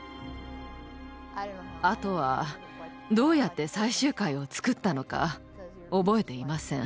あとはどうやって最終回を作ったのか覚えていません。